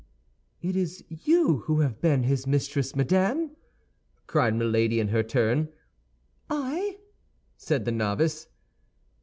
"It is you who have been his mistress, madame!" cried Milady, in her turn. "I?" said the novice.